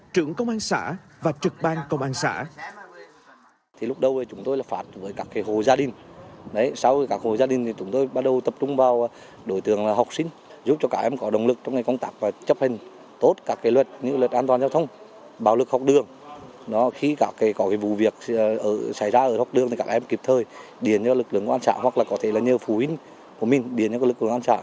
trưởng công an xã và trực bang công an xã